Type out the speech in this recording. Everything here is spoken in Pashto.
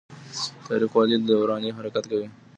تاريخ ولي دوراني حرکت کوي؟